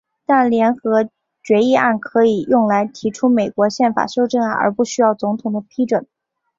但联合决议案可以用来提出美国宪法修正案而不需要总统的批准。